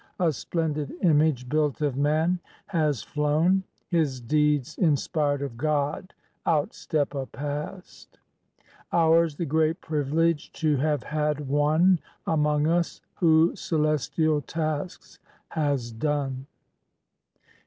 A splendid image built of man has flown; His deeds inspired of God outstep a Past. Ours the great privilege to have had one Among us who celestial tasks has done.